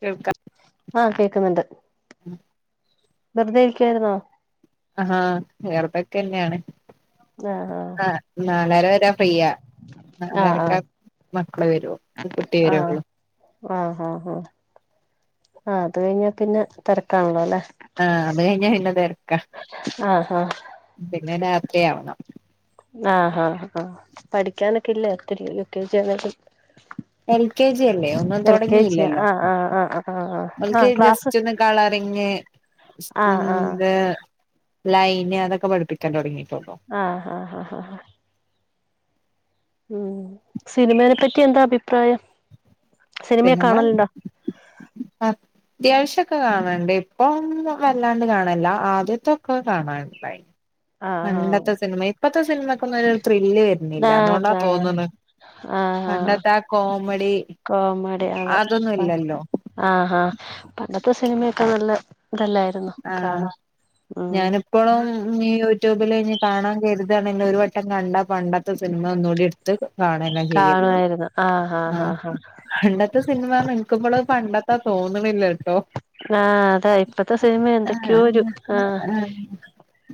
കേൾക്കാ ആഹ് കേൾക്കുന്നുണ്ട് വെറുതെ ഇരിക്കായിരുന്നോ ആഹാ വേറതൊക്കെ തന്നെയാണ് ആഹ് നാലര വരെ ഫ്രീയാ ആഹ് നാലരക്കാ മക്കള് വരുള്ളൂ കുട്ടി ആഹ് ആഹ് വരുള്ളൂ ആഹ് ഹാ ഹാ ആഹ് അത് കഴിഞ്ഞാ പിന്നെ തിരക്കാണല്ലോ അല്ലേ ആഹ് അത് കഴിഞ്ഞാ പിന്നെ തിരക്കാ ആഹ് ആഹ് പിന്നെ രാത്രിയാവണം ആഹ് ആഹ് ആ പഠിക്കാനൊക്കെ ഇല്ല ഒത്തിരി യു കെ ജി ആണെങ്കിലും എൽ കെ ജി അല്ലേ ഒന്നും എൽ കെ ജി തുടങ്ങിയില്ലല്ലോ ആഹ് ആഹ് ആഹ് ആഹ് ആഹ് എൽ ആഹ് കെ ജി ജസ് ക്ലാസ് ച്ചന്ന് കളറിങ്ങ് ആഹ് ഉം ആഹ് ഇന്ത് ലൈന് അതൊക്കെ പഠിപ്പിക്കാൻ തുടങ്ങിയിട്ടുള്ളൂ ആഹ് ആഹ് ഹാ ഹാ ഉം സിനിമനേ പറ്റി എന്താ അഭിപ്രായം സിനിമയൊക്കെ കാണലുണ്ടോ ആഹ് അത്യാവശ്യക്കെ കാണണ്ട് ഇപ്പൊ ഒന്നും വല്ലാണ്ട് കാണലില്ല ആദ്യത്തൊക്കെ കാണാനിണ്ടായി ആഹ് പണ്ടത്തെ സിനിമ ഇപ്പഴത്തെ സിനിമക്കൊന്നും ഒരു ത്രില്ല് വരുന്നില്ല അതുകൊണ്ടാ ആഹ് തോന്നുണു ആഹ് ആഹ് പണ്ടത്തെ ആഹ് കോമഡി കോമഡി അതെ അതൊന്നും ഇല്ലല്ലോ ആഹ് ആഹ് ഹാ പണ്ടത്തെ സിനിമയൊക്കെ നല്ല ഇതല്ലേ ആഹ് ഞാനിപ്പോഴും ഇഞ്ഞീ യൂട്യൂബിൽ ഇഞ്ഞി കാണാൻ കരുതയാണെങ്കിൽ ഒരു വട്ടം കണ്ടാ പണ്ടത്തെ സിനിമ ഒന്നുകൂടി എടുത്ത് കാണെ ചെയ്യാ ആഹ് പണ്ടത്തെ സിനിമ നിനക്കുപ്പള് പണ്ടത്തെ തോന്നണില്ലല്ലോ ആഹ് അതായി ഇപ്പത്തെ സിനിമ ആഹ് എന്തൊക്കെയോ ഒരു ആഹ്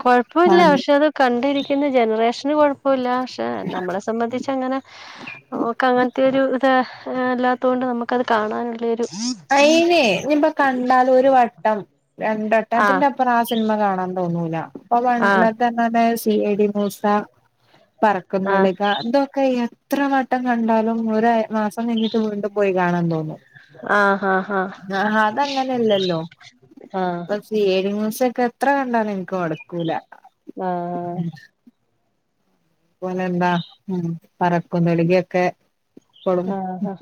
കുഴപ്പില്ല പക്ഷെ അത് കണ്ടിരിക്കുന്ന ജനറേഷന് കുഴപ്പമില്ല പക്ഷേ നമ്മളെ സംബന്ധിച്ചങ്ങനെ നമക്ക് അങ്ങനത്തെ ഒരു ഇത് അല്ലാത്ത കൊണ്ട് നമുക്കത് കാണാനുള്ളയൊരു അയിനെ ഇപ്പ കണ്ടാല് ഒരു വട്ടം രണ്ടു വട്ടം അതിന്റെ അപ്പുറം ആഹ് സിനിമ കാണാൻ തോന്നൂല അപ്പൊ ആഹ് പണ്ടത്തെ സീ ഐ ടി മൂസ ആഹ് പറക്കുന്തളിക ഇതോ ക്കെ എത്ര വട്ടം കണ്ടാലും ഒരു മാസം കഴിഞ്ഞിട്ട് വീണ്ടു പോയി കാണാൻ തോന്നും ആഹ് ഹാ ഹാ ആഹ് ആഹ് സി ഐ ടി മൂസയൊക്കെ എത്ര കണ്ടാലും എനിക്ക് മടുക്കൂല ആഹ് ആഹ് അതുപോലെ എന്താ ഉം പറക്കും തളികയൊക്കെ ഇപ്പളും ആഹ് ആഹ്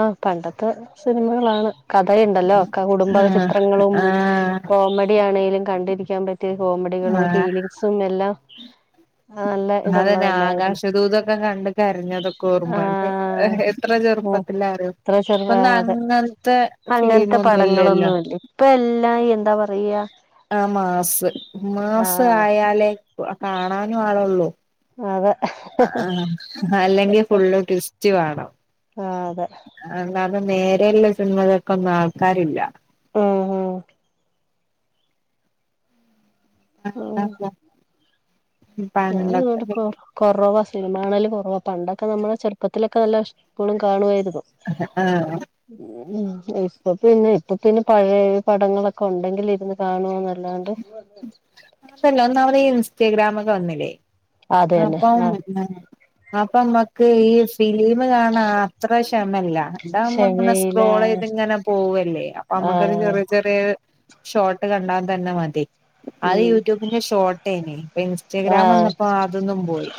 ആഹ് പണ്ടത്തെ സിനിമകളാണ് കഥയുണ്ടല്ലോ കുടുംബ ആഹ് ചിത്രങ്ങളും ആഹ് കോമഡിയാണേലും കണ്ടിരിക്കാൻ പറ്റിയ കോമഡികളും ആഹ് ഫീലിങ്സും എല്ലാം നല്ല അതന്നെ ഇതുള്ളതല്ലായിരുന്നു ആകാശദൂതൊക്കെ കണ്ട് കരഞ്ഞതൊക്കെ ഓർമ്മവരണ് എത്ര ചെറുപ്പത്തിലാ അറിയോ എത്ര ചെറുതാ അതെ അങ്ങനത്തെ ഫിലിമൊന്നും ഇല്ലല്ലോ പടങ്ങളൊന്നുമില്ല ഇപ്പ എല്ലാം എന്താ പറയാ ആഹ് മാസ് ആഹ് മാസായാലേ കാണാനും ആളുള്ളൂ അതെ ആഹ് അല്ലെങ്കിൽ ഫുള്ള് ട്വിസ്റ്റ് വേണം ആഹ് അതെ അല്ലാതെ നേരെയുള്ള സിനിമകൾക്കൊന്നും ആൾക്കാരില്ല ഉം ഉം [unintelligible] ആ ഉം പാനല്ലത്ത കുറവാ സിനിമാകാണൽ കുറവാ പണ്ടൊക്കെ നമ്മളെ ചെറുപ്പത്തിലൊക്കെ നല്ല ഇഷ്ട കാണുവായിരുന്നു ഹ ഹ ആഹ് ഉ ഉം ഇപ്പൊ പിന്നെ ഇപ്പൊ പിന്നെ പഴയ പടങ്ങളൊക്കെ ഉണ്ടെങ്കിൽ ഇരുന്ന് കാണുവന്നല്ലാണ്ട് [unintelligible] ന്നല്ല ഒന്നാമതെ ഇൻസ്റ്റഗ്രാംമൊക്കെ വന്നില്ലേ അത് തന്നെ അപ്പം ആ അപ്പ മക്ക് ഈ ഫിലിം കാ അത്ര ക്ഷമയില്ല ഇതാവുമ്പോ ഇങ്ങനെ ക്ഷമയില സ്ക്രോൾ ചെയ്ത് ഇങ്ങനെ പോവല്ലേ അപ്പൊ ആ അമ്മുക്കൊരു ചെറിയ ചെറിയ ഷോർട്ട് കണ്ടാൻ തന്നെ മതി അദ്യം ഉം യൂട്യൂബിന്റെ ഷോട്ടായിന് ഇപ്പൊ ആ ഇൻസ്റ്റാഗ്രാം വന്നപ്പോ അതുംപോയി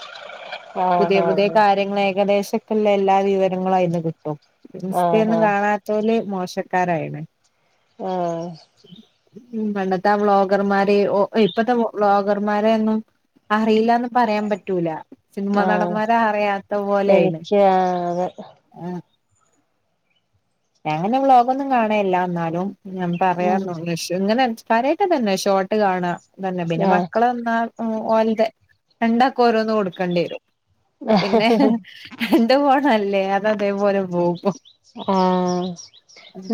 ആ പുതിയ ആ പുതിയ കാര്യ- - ഇപ്പ ഏകദേശക്കുള്ള എല്ലാ വിവര ങ്ങങ്ങളും അതിൽ നിന്ന് കിട്ടും ആ ഇൻസ്റ്റ ഓന്നും ആ കാണാൻ ഇറ്റോര് മോശക്കാരായിണ് ആഹ് ഉ പണ്ടത്തെ ആ ബ്ലോഗർമാര് ഇപ്പഴത്തെ വ്ലോഗർമാരൊന്നും അറിയില്ലാന്ന് പറയാൻ പറ്റൂല സിനിമ ആ നടന്മാര അറിയാത്ത പോലൊയിണ് എനിക്ക് ആ അതെ ആ ഞാൻ അങ്ങനെ വ്ലോഗൊന്നും കാണല്ല അന്നാലും ഞാൻ പറയാ ഉം ഇങ്ങനെ കാര്യയമായിട്ട് ഒന്നും തന്നെ ഷോർട്ട് കാണാ തന്നെ പിന്നെ ആ മക്കള് വന്നാ ഓൻതെരണ്ടാക്കെ ഓരോന്ന് കൊടുക്കേണ്ടി വരും പിന്നെ എന്റെ പോണല്ലേ അത അതേപോലെ പോ ഇപ്പോ ആഹ്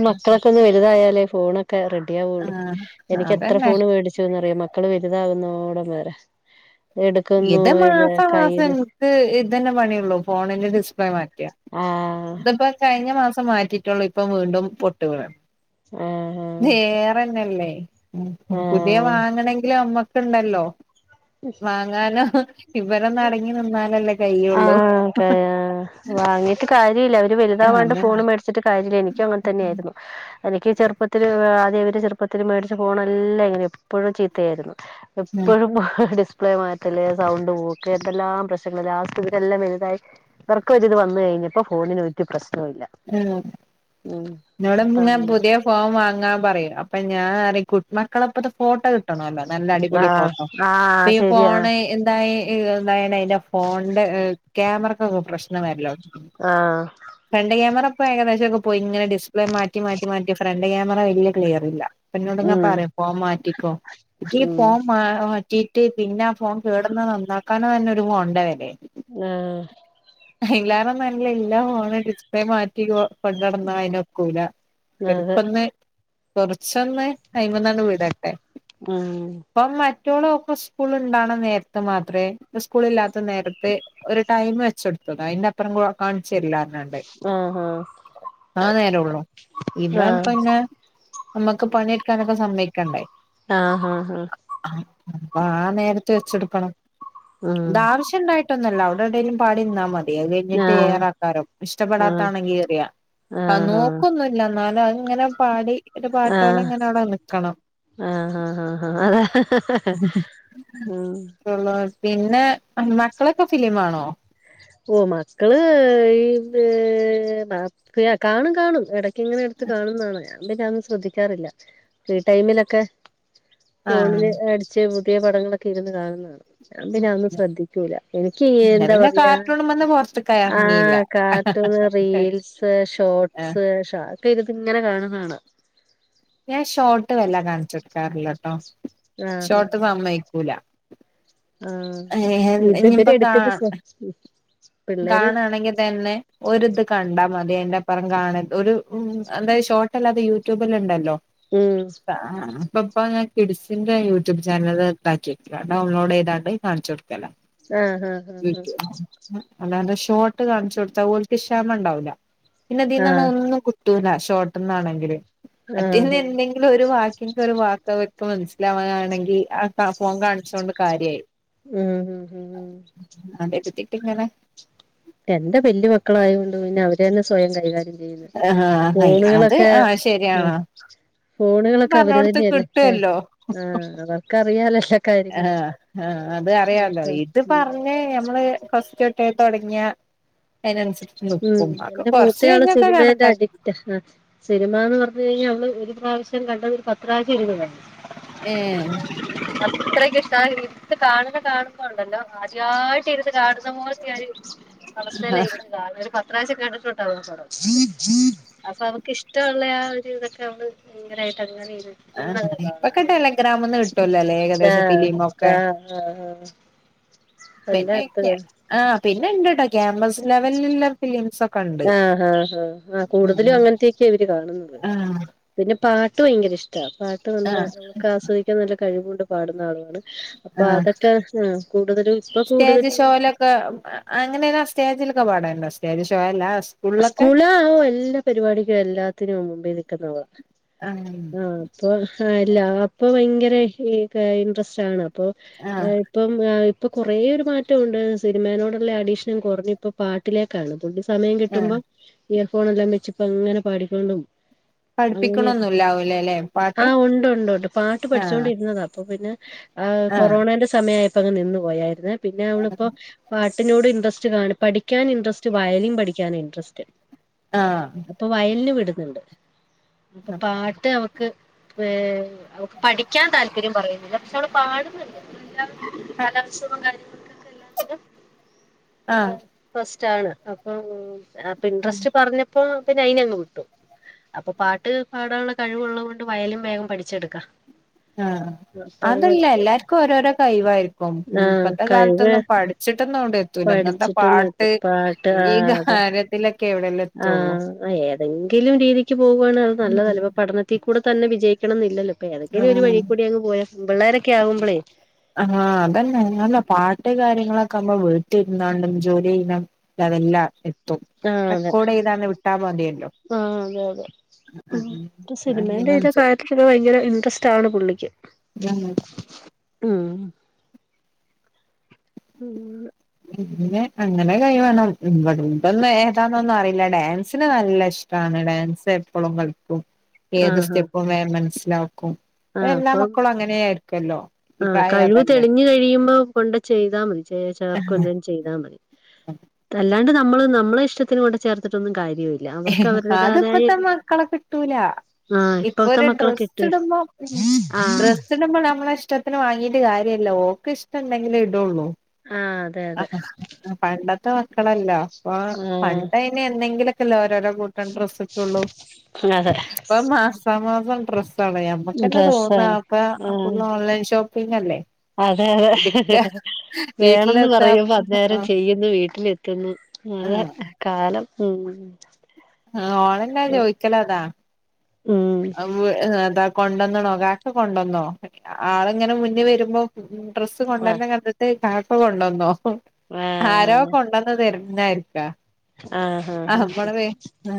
മക്കളൊക്കെ ഒന്ന് വലുതായാലേ ഫോണൊക്കെ റെഡി ആവുള്ളു ആഹ് എനിക്ക് എത്ര അതന്നെ ഫോണ് മേടിച്ച ചച്ചന്നറിയ മക്കള് വലുതാകുന്നോടം വരെ എടുക്കുന്നു ഇത് മാസം മാസം കയ്ന്ന് എനിക്ക് ഇതന്നെ പണിയള്ളൂ ഫോണിന്റെ ഡിസ്പ്ലേ മാറ്റ ആ ഇതിപ്പോ കഴിഞ്ഞ മാസം മാറ്റിയിട്ടുള്ളൂ ഇപ്പൊ വീണ്ടും പൊട്ടു വീണു ആഹ് വേറെന്ത ഉള്ളെ ആ പുതിയ ആ വാങ്ങണമെങ്കിലും അമ്മക്കുണ്ടല്ലോ വാങ്ങാനോ ഇവരൊന്ന് അടങ്ങി നിന്നാലല്ലേ കഴിയുള്ളൂ ആഹ് ക വാങ്ങി കാര്യമില്ല അവര് വലുത ആഹ് വാണ്ട് ഫോണ് അതന്നെ മേടിച്ചട്ട് കാര്യമില്ല എനിക്കും അങ്ങനെ തന്നെയായിരുന്നു എനിക്ക് ചെറുപ്പത്തിൽ ആദ്യ അവര് ചെറുപ്പത്തിൽ മേടിച്ചു പോണല്ല എങ്ങനെ എപ്പോഴും ചീത്തയായിരുന്നു ഉം എപ്പോഴും ഡിസ്പ്ലേ മാറ്റല് സൗണ്ട് പോക്ക് എന്തെല്ലാം പ്രശ്നങ്ങള് ലാസ്റ്റ് ഇവരെല്ലാം വലുതായി ഇവർക്കുരിത് വന്നു കഴിഞ്ഞപ്പോ ഫോണന് ഒരു പ്രശ്നവും ഇല്ല ആ ഉം നിടെങ്ങ ഇപ്പം പുതിയ ഫോം വാങ്ങാൻ പറയും അപ്പൊ ഞാൻ അറ കുട്ട മക്കളപ്പത്തെ ഫോട്ടോ കി നല്ല അടിപൊളി ആഹ് ഫോട്ടോ ആഹ് ഈ ശരിയാ ഫോണ എന്തായി [unintelligible] എന്റെ ഫോണിന്റെ ക്യാമറക്കൊക്കെ പ്രശ്നം വരലായി ആഹ് ഫ്രണ്ട് ക്യാമറ ഇപ്പോ ഏകദേശൊക്കെ പോയി ഇങ്ങെ ഡിസ്പ്ലേ മാറ്റി മാറ്റി മാറ്റി ഫ്രണ്ട് ക്യാമറ വല്ല്യ ക്ലിയറ്ഇല്ല്യ. പിന്നോട്ങ്ങാ ഉം പറയാ ഫോംമാറ്റിക്കോ ഈ ഉം ഫോം മാ മാറ്റി. റ്റി പിന്നെ ആ ഫോൺ കേടുന്ന നന്നാക്കാനോ തന്നെ ഒരു ഫോണിന്റെ വെലയ ആഹ അയില്ലാറെന്നല്ല ഇല്ലാ ഫോണ്റ്റ് അത്ര മാറ്റി കൊണ്ടട്ന്ന അയിന് ഒക്കൂല അതെ പർക്കൊന്ന് കൊറച്ചൊന്ന് അ്മന്നാണ്ട് വിടട്ടെ. ഉം ഇപ്പം മറ്റോള് ഓക് സ്കൂൾ ഇണ്ടണ നേരത്ത് മാത്രെ സ്കൂളില്ലാത്ത നേരത്ത് ഒരു ടൈം വെചോട്ത്ത് അയിന്റപ്പറം കാണിച്ചർല്ലാനാണ്ട് ആഹ് ആഹ ആഹ് നേരൊള്ളു ഇവപങ്ങ നമ്മക്ക് പണിട്ക്കാനൊക്കെ സമ്മയ്ക്കണ്ടേ ആഹ് ഹാ ഹാ അപ്പാ നേരത്ത് വെച്ചെടുക്കണം. ഉം താവശ്യണ്ടായി ന്നല്ല അവിടെ എടേലും പാടി നിന്നാൽ മതി അകഴിട്ട് ആഹ് ഏറാക്കാരോ ഇഷ്ടപ്പെടാത്ത ആഹ് എറിയാ ആഹാ ആഹ് ആഹ് നോക്കൊന്നുംല്ല എന്നാലും അഹ്ങ്ങനെ പാടി ഒരു പാട്ടോലെ ആഹ് ഇങ്ങനെ അവിടെ നിക്കണം ആഹ് ആഹ് ആഹ് അതെ ഹഹേ ഹേ ഹേ ഉും അള്ള പിന്നെ മക്കളൊക്കെ ഫിലിം ആണോ? ഓ മക്കള് ഇത് ന്ന അ കാണും കാണും എടക്ക് ഇങ്ങനെ എടുത്ത് കാണുംന്നാണ അപ്പൊ ഞൻ പിന്നെ അതൊന്നും ശ്രദ്ധിക്കാറില്ല ഫ്രീ ടൈമിലൊക്കെ ആഹ് ഫോണില് അടിച്ച് പുതിയ പടങ്ങളൊക്കെ ഇരുന്ന് കാണും. ഞാപിന്നെ അതൊന്ന് ശ്രദ്ധിക്കൂല എനിക്ക് എന്റെ യ്യെന്താ പിന്നെ പറയാ കാർട്ടൂണ്മന്ന് പുറത്ത്ക്ക് ഇറങ്ങിയില്ല ആഹ് കാർട്ടൂണ്, റീൽസ്, ഷോർട്സ്, ഷോടെയ്ത്ട്ട്ങ്ങനെ കാണുന്നാണ. ഞാൻ ഷോർട്ട് വല്ല കാണിചൊ ട്ക്കാറില്ലട്ടോ? ആഹ് ആഹ് ഷോർട്ട് സമ്മയ്ക്കൂല ആഹ് ഇത്പര് എട്കൊക്കെ ഫോ കാണാണെങ്കി തന്നെ. ഒരിത് കണ്ടാൽ മതി അയ്ന്റപ്പറം കാണർത് ഒരു ഉ എന്തായത് ഷോർട്ട്ല്ലാതെ യൂട്യൂബല്ലാണ്ടല്ലോ? ഉും ആഹ് ആഹ് ഇപ്പപ്പൊ ഞാൻ കിഡ്സിന്റെ യൂട്യൂബ് ചാനൽ ണ്ടാകീക്കാ ഡൗൺലോഡ് യ്യ്താണ്ട് കാണിച്ചു കൊടുക്കലാ. ആഹ് ആഹ് ആഹ് [unintelligible] അല്ലാതെ ഷോർട്ട് കാണിചൊട്ത്ത ഓല്ക് ക്ഷമണ്ടാവൂല പിന്നെ ഇതീന്നാണെ ആഹ് ഒന്നും കി ട്ടുല ഷോർട്ടന്നാണെങ്കിലും. ആഹ് അറ്റങ്ങള്ന്തെങ്കിലും ഒരു വാക് ഇൻക്കൊരു വാക്ക് വയ്ക്ക് മനസ്സിലാവാനാണെങ്കി ആ ഫോൺ കാണിച്ചോണ്ട് കാര്യായി. ഹും ഹും ഹും അതെ കുട്ടീക്ങ്ങനെ എന്റെ വല്ല്യ മക്കളായോണ്ട് പിന്നെ അവര് ന്നെ സ്വയം കൈകാര്യം ആ അത് ഫോണുകളൊക്കെ ആ ആഹ ശരിയാണ് ഫോണുകളൊക്കെ അവര് പറഞ്ഞോടുത്ത് തന്നെയല്ലേ? കിട്ടുവല്ലോ ആ അവർക്കറിയാല ആഹ് ആഹ് അത് അറിയാല്ലോ? ഇത് ഉം പറഞ്ഞ ഞമ്മള് ഫസ്റ്റ് ഏ തൊടങ്ങിയ അയിനനുസരിച്ച് നിക്കും. അഹ്കെ കുറച്ച് കഴിഞ്ഞക്ക കണക്കാ എസ് ആ സിനിമ ന്ന്പറഞ്ഞു കഴിഞ്ഞാ മ്മള് ഒരു പ്രാവശ്യം കണ്ടത് ഒരു പത്രാവശ്യം ഇരുന്നുകാണും. ഏഹ അത്രക്ക്ഷ്ട ആ ഇര്ത്ത് കാണുന്ന കാണുമ്പണ്ടല്ലോ, ആദ്യായിട്ട് ഇരുന്ന് കാണുന്ന പോലത്തെരു അവസ്ഥയില ഇരുന്ന് കണ് ഒരു പത്രാവശ്യം കണ്ടിട്ടുണ്ടവും അപ്പൊ അവക്ക് ഇഷ്ടള്ളെ ആ ഒരു തൊക്കെ അവള് ങ്ങനായിട്ട് ങ്ങനെ ഇരു ആഹ് ഇരുന്നങ്ങ് കാണും ഇപ്പൊക്കെ അപ്പൊ ഞാന് ടെലഗ്രാമ്ന്ന് കിട്ടുവല്ലോല്ലേ ഏകദേശം ഫിലിമൊക്കെ [unintelligible] മെല്ലാ എടുത്തത് ആ പിന്നെണ്ട്ട്ടോ ക്യാമ്പസ് ലെവൽള്ള ഫിലിംസ് ഒക്കെണ്ട്. ആഹ് ആഹ് ഹാ ആഹ് കൂടുതലും അങ്ങൻത്തൊക്കെ ഇവര് കാണ്ന്നത്. ആഹ് പിന്നെ പാട്ട് ഭയങ്കരഷ്ട പാട്ട് നല്ല ആഹ് നമുക്ക് ആസ്വദിക്കാൻ നല്ല കഴിവുണ്ട് പാടുന്ന ആളുവാണ്. അപ്പ ആഹ് അതൊക്കെ ആ കൂടുതലും ഇപ്പൊ കൂടുതലും ലൊക്കെ അങ്ങനെ സ്റ്റേജിലൊക്കെ പാടേണ്ടൊ സ്റ്റേജ് ഷോ അല്ലാ സ്കൂള് എല്ലാ പരിപാടിക്കും എല്ലാത്തിനും മുമ്പേ നിൽക്കുന്ന ആഹ് ആ ളാണ് ആ. ഇപ്പൊ ആ അല്ല അപ്പൊ ഭയങ്കര ഇൻട്രസ്റ്റ് ആണ് അപ്പൊ ആഹ് ഏഹ്. ഇപ്പം ഇപ്പൊ കുറേ ഒര് മാറ്റൊണ്ട് സിനിമനോടുള്ള അഡീഷൻ കൊർഞ്ഞ് ഇപ്പ പാട്ടിലേക്കാണ് തുള്ളി സമയ ആഹ് കിട്ടുമ്പം ഇയർ ഫോൺ എല്ലാം വെച്ച്പ്പ അങ്ങനെ പാടിക്കോണ്ടും അങ്ങൻ പഠിപ്പിക്കണൊന്നുംല്ലാവൂലല്ലേ ആ പാട്ട് ഉണ്ട് ഉണ്ട് ഉണ്ട് പാട്ട് ആഹ് പഠിച്ചോൊണ്ടിരുന്നതാ അപ്പൊ പിന്നെ ആ ആഹ് കൊറോണേന്റെ സമയായപ്പോൾ അങ്ങ് നിന്ന് പോയായിര്ന്നെ പിന്നെ അവളിപ്പോ പാട്ടിനോട് ഇൻട്രസ്റ്റ് കാണ് പഠിക്ക്യാൻ ഇൻട്രസ്റ്റ് വയലിൻ പഠിക്ക്യാൻ ഇൻട്രസ്റ്റ്. ആഹ്. ഇപ്പം വയൽന്ന് വിട്ന്ന്ണ്ട് അപ്പൊ പാട്ട് അവൾക്ക് ഏ പഠിക്ക്യാൻ താല്പര്യം പറയുന്നില്ല പക്ഷെ അവള് പാട്ന്ന്ണ്ട്. എല്ലാ കലോത്സവും കാര്യങ്ങൾക്കൊക്കെ എല്ലാത്തിനും ആഹ് ഫസ്റ്റ് ആണ് അപ്പൊ അപ്പ ഇൻട്രസ്റ്റ് പറഞ്ഞപ്പോ പിന്നെ അയ്നങ്ങ് വിട്ടു. അപ്പൊ പാട്ട് പാടാള്ള കഴിവുള്ളോണ്ട് വയലിം വേഗം പഠിച്ചെട്ക്ക. ആ അതല്ല എല്ലാർക്കും ഓരോരോ കഴിവായിരിക്കും ആഹ് ഇപ്പത്തെ കഴിവ് കാലത്തൊന്നും പ ചിട്ടെന്നൊണ്ടെ ത്തൂല ഇങ്ങൽത്തെ പഠിച്ചിട്ടൊന്ന് എത്തി പാട്ട് പാട്ട് ആ ഈ അതെ ഗാനത്തിലൊക്കെ എവിടേലും എത്തൊള്ളൂ. എങ്കിലും രീതിക്ക് പോവാണെ അത് നല്ലതല്ലേ പഠന ത്തി കൂടെ തന്നെ വിജയിക്കണം എന്നില്ലല്ലോ ഇപ്പ ഏതെങ്കിലും ഒരു വഴി ഉം കൂടി അങ് പോയാ പെപിള്ളേരൊക്കെ ആവുംപ്പളേ ആ അതന്നെ നല്ല പാട്ട് കാര്യങ്ങളൊക്കെ അമ്മളെ വീട്ടി ഇര്ന്നാണ്ടും ജോലി ചെയ്യ അ അതെല്ലാം എത്തും ആഹ് അതെ റെക്കോർഡ് ചെയ്താണ്ട് വിട്ടാ മതിയല്ലോ. ആഹ് അതെ അതെ [unintelligible] ഇതിന് ഭയങ്കര ഇൻട്രസ്റ്റ് ആണ് പുള്ളിക്ക്. [unintelligible] ഉം. പിന്നെ അങ്ങനെ കൈ വേണം ഇന്നട്ടെ ന്നെ എന്താന്നൊന്നും അറിയില്ല ഡാൻസിന് നല്ല ഇഷ്ടാണ് ഡാൻസ് എപ്പളും കളിക്കും. ഏത് സ്റ്റെപ്പും വേം മൻസ്സിലാക്കും. ആ അപ്പം ഈ ആ പ്രായം കഴിവ് അതല്ലേ തെളിഞ്ഞ് കഴിയുമ്പോ കൊണ്ട് ചെയ്താ മതി ചേർക്കോതെങ്കിലും ചെയ്താൽ മതി അല്ലാണ്ട് നമ്മള് നമ്മളെ ഇഷ്ട ത്തിന് കൊണ്ട് ചേർത്ത്ട്ടൊന്നും കാര്യമില്ല. അവർക്ക് അവരുടേതായ അതിപ്പത്തെ ഒരു മക്കളെ കിട്ടൂല ആഹ് ഇപ്പൊ ഇപ്പഴത്തെ ഒരു മക്കളൊക്കെ ഡ്രസ്സ് ഇട്ട് ഇടുമ്പോ ഉം ആഹ് ഡ്രസ്സ് ഇടുമ്പോ നമ്മളെ ഇഷ്ടത്തിന് വാങ്ങീട്ട് കാര്യല്ല ഓക്ക് ഇഷ്ടണ്ടെങ്കിലേ ഇടൊള്ളൂ. ആഹ് അതെ അതെ. പണ്ടത്തെ മക്കളല്ല ഇപ്പ ആഹ് പണ്ടയ്ന് എന്നെങ്കിലൊക്കെല്ലേ ഓരോരോ കൂ ട്ടം ഡ്രസ്സ്ട്ടൊള്ളൂ. അതേ ഇപ്പം മാസാ മാസം ഡ്രസ്സ് ആണ് നമ്മുക്കെന്നെ തോന്ന ഡ്രസ്സാണ് അപ്പ ആഹ് അപ്പന്ന് ഓൺലൈൻ ഷോപ്പ പ്പിന്നല്ലേ. അതെ അതെ. വേണന്നു വീട്ടിലെത്താ പറയുമ്പോ അന്നേരം ആ ചെയ്യുന്നു വീട്ടിലെത്തുന്നു അതെ കാലം ഉം. ആ ഓളന്നെ ചോയ്ക്കലതാ. ഉം അതാ കൊണ്ടന്ന്‌ണോ കാക്ക കൊണ്ടോന്നോ ആള് ഇങ്ങനെ മുന്ന് വരുമ്പോ ഡ്രസ്സ് ആ കൊണ്ടര്‌ന്ന കണ്ടിട്ട് കാക്കാ കൊണ്ടോന്നോ ആ ആരോ കൊണ്ട ഒക്കെ വെര്ണാരിക്ക ആഹ് ആഹ് ആഹ്.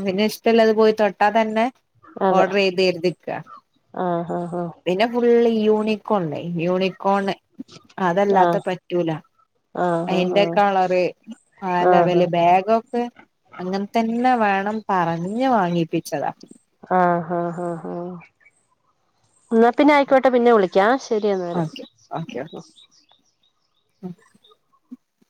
പിന്നെ ഇഷ്ടല്ലാതെ പോയി തൊട്ടാ തന്നെ ഹാ അതെ ഓഡ്രറെയ്ത്‌തിര്ക്കാ. ആഹ് ഹാ പിന്നെ ഫുള്ള് യൂണിക്കോൺണ്ടായ് യൂണികോണ് ഹാ അതല്ലാത്ത ആഹ് പറ്റൂല. ആഹ് ഹാ അയ്ന്റെ കളറ് ഹാ ആഹ് ഹാ ആലവല്‌ ബാഗൊ ക്കെ അങ്ങൽത്തന്നെ വേണം പറഞ്ഞ് വാങ്ങിപ്പിച്ചതാ. ആഹ് ആഹ് ആഹ് ആഹ്. ന്നാ പിന്നെ ആയിക്കോട്ടെ പിന്നെ വിളിക്കാ ശെരിയന്നാല് ഓക്കെ ഓക്കെ ഓക്കെ